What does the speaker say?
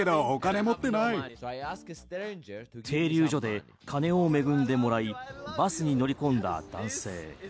停留所で金を恵んでもらいバスに乗り込んだ男性。